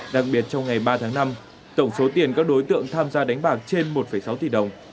đặc biệt trong ngày ba tháng năm tổng số tiền các đối tượng tham gia đánh bạc trên một sáu tỷ đồng